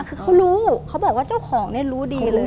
เค้ารู้บอกว่าเจ้าของเน้นรู้ดีเลย